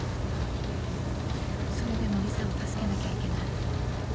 それでもリサを助けなきゃいけない。